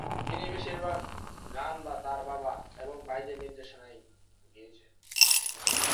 তিনি বেশিরভাগ গান তার বাবা এবং ভাইদের নির্দেশনায় গেয়েছেন।